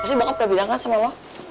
pasti bokap udah bilang kan sama lo